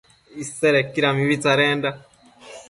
Isedequida mibi tsadenda